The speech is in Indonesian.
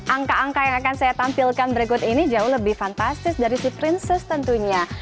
angka angka yang akan saya tampilkan berikut ini jauh lebih fantastis dari si princess tentunya